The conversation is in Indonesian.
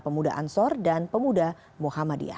pemuda ansor dan pemuda muhammadiyah